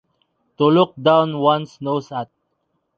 To look down one’s nose at.